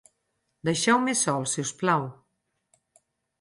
Deixeu-me sol, si us plau.